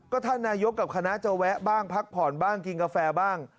ท่านนายกกับคณะจะแวะบ้างพักผ่อนบ้างกินกาแฟบ้าง